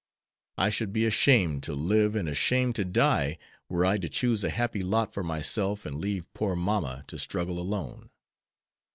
I should be ashamed to live and ashamed to die were I to choose a happy lot for myself and leave poor mamma to struggle alone.